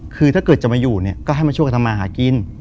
คือถ้าเกิดจะมาอยู่เนี่ยก็ให้มาช่วยกันทำมาหากิน